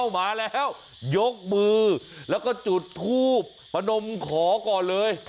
หมาแล้วยกมือแล้วก็จุดทูบพนมขอก่อนเลย